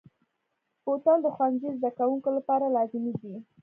بوتل د ښوونځي زده کوونکو لپاره لازمي دی.